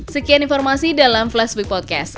sekian informasi dalam flashweek podcast